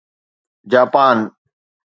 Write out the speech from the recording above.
Japan